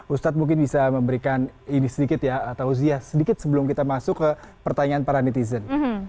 ustadz mungkin bisa memberikan ini sedikit ya tauziah sedikit sebelum kita masuk ke pertanyaan para netizen